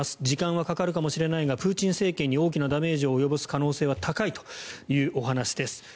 時間はかかるかもしれないがプーチン政権に大きなダメージを及ぼす可能性は高いというお話です。